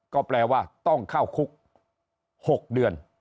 ก็แปลว่าต้องเข้าคุก๖เดือน